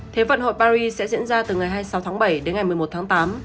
thế vận hội paris sẽ diễn ra từ ngày hai mươi sáu tháng bảy đến ngày một mươi một tháng tám